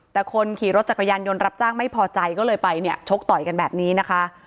แต่คนขี่รถจักรยานยนต์รับจ้างไม่พอใจก็เลยไปเนี่ยชกต่อยกันแบบนี้นะคะ